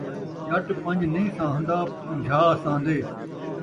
ڄٹ پن٘ج نئیں سہن٘دا ، پن٘جھا سہن٘دے